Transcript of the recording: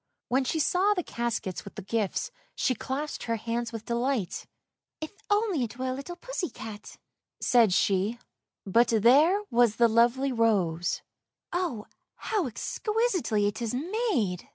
When she saw the caskets with the gifts she clapped her hands with delight !" If only it were a little pussy cat! " said she — but there was the lovely rose. "Oh, how exquisitely it is made!"